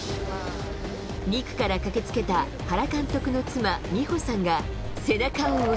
２区から駆けつけた原監督の妻、美穂さんが、背中を押す。